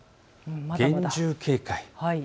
厳重警戒。